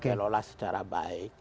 kelola secara baik